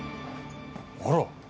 あら。